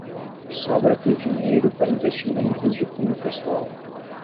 Sobra-te dinheiro para investimentos de cunho pessoal